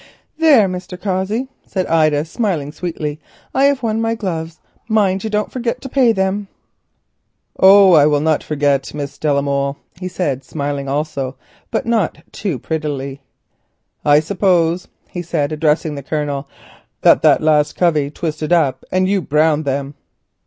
"There, Mr. Cossey," said Ida, smiling sweetly, "I have won my gloves. Mind you don't forget to pay them." "Oh, I will not forget, Miss de la Molle," said he, smiling also, but not too prettily. "I suppose," he said, addressing the Colonel, "that the last covey twisted up and you browned them."